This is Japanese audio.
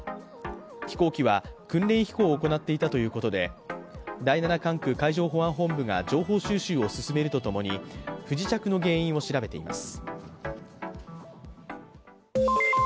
飛行機は訓練飛行を行っていたということで第七管区海上保安本部が情報収集を進めるとともに不時着の原因を調べています。